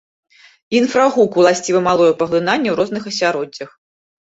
Інфрагуку ўласціва малое паглынанне ў розных асяроддзях.